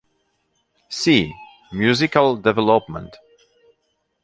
See: musical development.